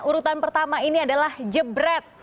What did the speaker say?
urutan pertama ini adalah jebret